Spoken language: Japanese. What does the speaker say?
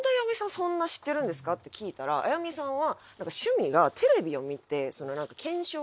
そんな知ってるんですか？」って聞いたらあやみさんは。